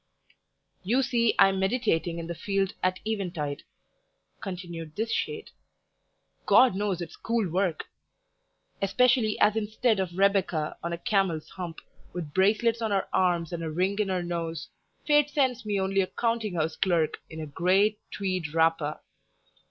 "You see I am meditating in the field at eventide," continued this shade. "God knows it's cool work! especially as instead of Rebecca on a camel's hump, with bracelets on her arms and a ring in her nose, Fate sends me only a counting house clerk, in a grey tweed wrapper."